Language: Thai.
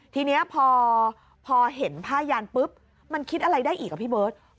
ทีนี้พอเห็นผ้ายานปุ๊บมันคิดอะไรได้อีกอ่ะพี่เบิร์ต